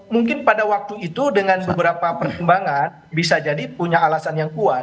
mungkin pada waktu itu dengan beberapa pertimbangan bisa jadi punya alasan yang kuat